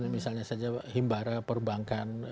misalnya saja himbara perbankan